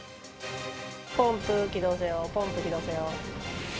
ポンプ起動せよ、ポンプ起動せよ。